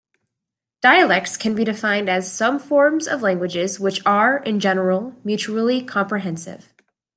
Dialects can be defined as "sub-forms of languages which are, in general, mutually comprehensible".